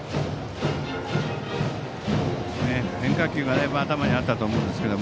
変化球が頭にあったと思うんですけど